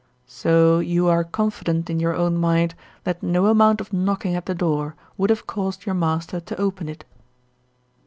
"So you are confident in your own mind that no amount of knocking at the door would have caused your master to open it?"